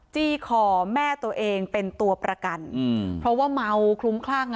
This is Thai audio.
จี้คอแม่ตัวเองเป็นตัวประกันเพราะว่าเมาคลุ้มคลั่ง